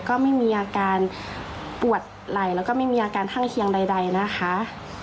ก็ไม่มีอาการปวดไหลแล้วก็ไม่มีอาการข้างเคียงใดนะคะ